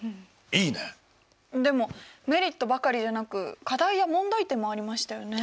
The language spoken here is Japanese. でもメリットばかりじゃなく課題や問題点もありましたよね。